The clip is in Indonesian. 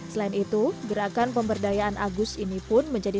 selain itu gerakan pemberdayaan agus ini pun menjadi